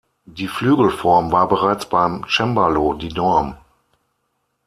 Die Flügelform war bereits beim Cembalo die Norm.